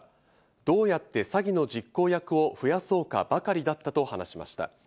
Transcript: どうやって詐欺の実行役を増やそうかばかりだったと話しました。